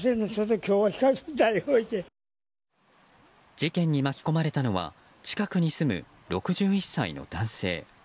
事件に巻き込まれたのは近くに住む６１歳の男性。